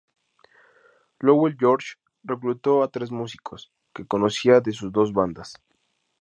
Lowell George reclutó a tres músicos que conocía de sus dos bandas.